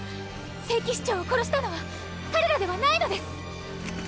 ⁉聖騎士長を殺したのは彼らではないのです！